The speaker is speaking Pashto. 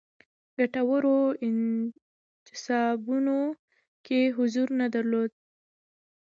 ګټورو انتصابونو کې حضور نه درلود.